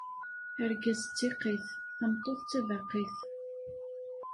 Argaz d tiqqit, tameṭṭut d tabaqit.